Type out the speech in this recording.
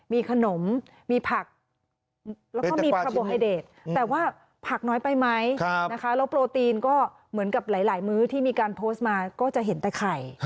มีขนมมีผักแล้วก็มีพาร์โบไฮเดรต